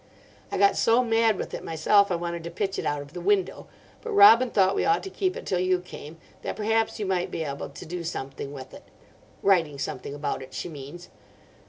I got so mad with it myself I wanted to pitch it out of the window, but Robin thought we ought to keep it till you came, that perhaps you might be able to do something with it—writing something about it, she means.